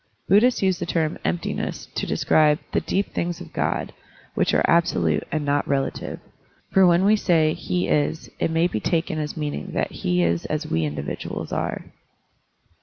Buddhists use the term "emptiness" to describe the "deep things of God" which are absolute and not relative. For when we say, " he is," it may be taken as meaning that he is as we individuals are.